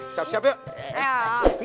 siap siap yuk